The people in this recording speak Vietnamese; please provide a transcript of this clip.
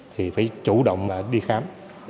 thì phải chủ động đi khám